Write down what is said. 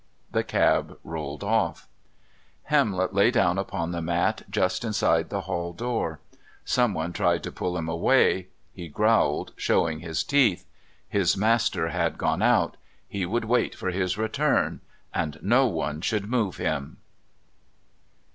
The cab rolled off. Hamlet lay down upon the mat just inside the hall door. Someone tried to pull him away. He growled, showing his teeth. His master had gone out. He would wait for his return and no one should move him.